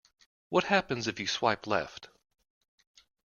What happens if you swipe left?